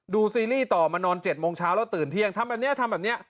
ซีรีส์ต่อมานอน๗โมงเช้าแล้วตื่นเที่ยงทำแบบนี้ทำแบบนี้